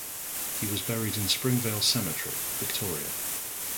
He was buried in Springvale Cemetery, Victoria.